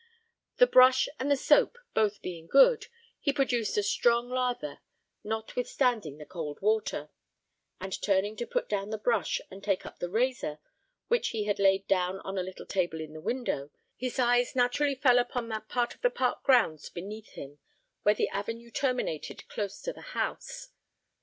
The brush and the soap both being good, he produced a strong lather, notwithstanding the cold water; and turning to put down the brush and take up the razor, which he had laid down on a little table in the window, his eyes naturally fell upon that part of the park grounds beneath him, where the avenue terminated close to the house.